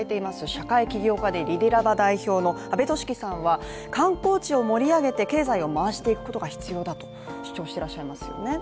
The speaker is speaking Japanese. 社会企業家でリディラバ代表の安部敏樹さんは観光地を盛り上げて経済を回していくことが必要だと主張してらっしゃいますよね。